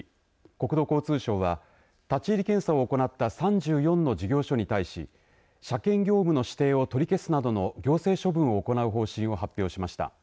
国土交通省は立ち入り検査を行った３４の事業所に対し車検業務の指定を取り消すなどの行政処分を行う方針を発表しました。